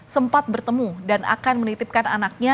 sempat bertemu dan akan menitipkan anaknya